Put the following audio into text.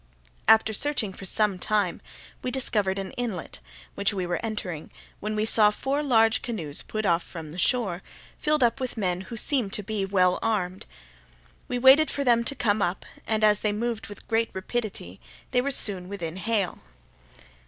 After searching about for some time, we discovered an inlet, which we were entering, when we saw four large canoes put off from the shore, filled with men who seemed to be well armed. We waited for them to come up, and, as they moved with great rapidity, they were soon within hail.